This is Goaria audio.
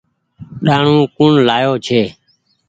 ڏآڻو ڪوڻ لآيو ڇي۔